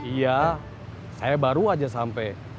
iya saya baru aja sampai